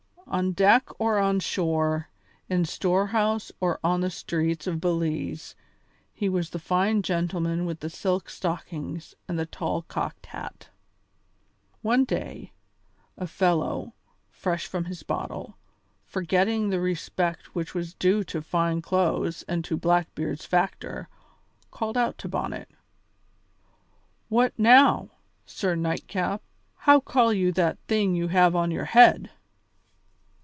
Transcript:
On deck or on shore, in storehouse or on the streets of Belize, he was the fine gentleman with the silk stockings and the tall cocked hat. One day, a fellow, fresh from his bottle, forgetting the respect which was due to fine clothes and to Blackbeard's factor, called out to Bonnet: "What now, Sir Nightcap, how call you that thing you have on your head?"